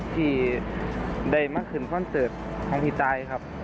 ที่ได้มาขึ้นคอนเสิร์ตของพี่ตายครับ